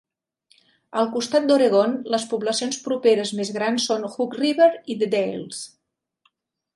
Al costat d'Oregon, les poblacions properes més grans són Hood River i The Dalles.